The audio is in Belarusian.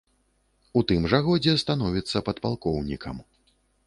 У тым жа годзе становіцца падпалкоўнікам.